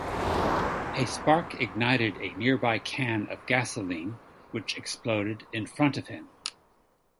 A spark ignited a nearby can of gasoline, which exploded in front of him.